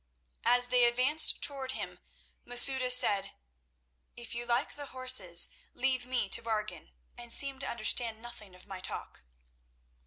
As they advanced towards him, Masouda said: "If you like the horses, leave me to bargain, and seem to understand nothing of my talk."